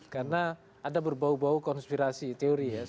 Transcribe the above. karena ada berbau bau konspirasi teori ya